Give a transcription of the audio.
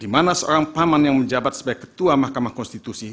dimana seorang paman yang immejabat sebagai ketua mahkamah konstitusi